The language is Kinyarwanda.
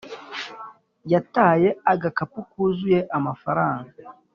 yataye agakapu kuzuye amafaranga